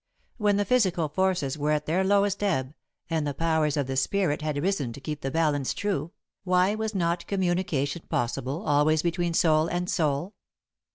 When the physical forces were at their lowest ebb, and the powers of the spirit had risen to keep the balance true, why was not communication possible always between soul and soul?